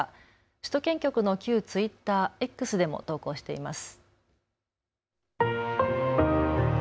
首都圏局の旧ツイッター、Ｘでも投稿しています。